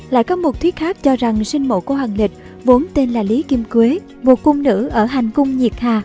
lại có một thuyết khác cho rằng sinh mẫu của hoàng lịch vốn tên là lý kim quế một cung nữ ở hành cung nhiệt hà